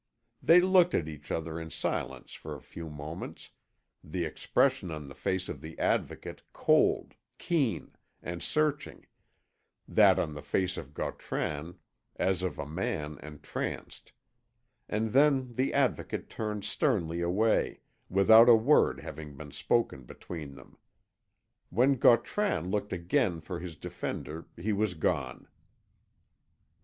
They looked at each other in silence for a few moments, the expression on the face of the Advocate cold, keen, and searching, that on the face of Gautran as of a man entranced; and then the Advocate turned sternly away, without a word having been spoken between them. When Gautran looked again for his defender he was gone.